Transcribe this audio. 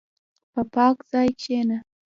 په پاک ځای کښېنه.